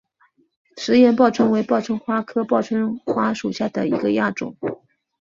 石岩报春为报春花科报春花属下的一个亚种。